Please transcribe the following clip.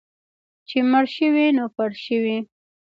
چې مړ شوې، نو پړ شوې.